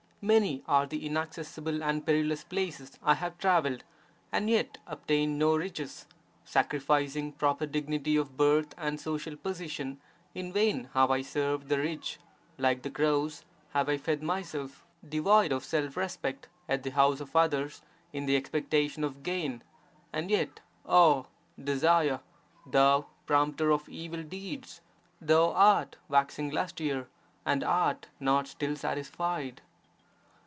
Many are the inaccessible and perilous places I have travelled and yet obtained no riches; sacrificing proper dignity of birth and social position, in vain have I served the rich; like the crows have I fed myself, devoid of self respect, at the house of others in the expectation of gain; and yet, oh! Desire, thou prompter of evil deeds, thou art waxing lustier and art not still satisfied.